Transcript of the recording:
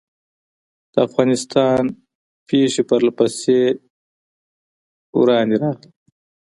د افغانستان پېښې پرله پسې ورانې راغلې.